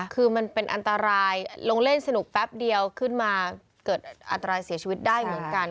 คือมันเป็นอันตรายลงเล่นสนุกแป๊บเดียวขึ้นมาเกิดอันตรายเสียชีวิตได้เหมือนกัน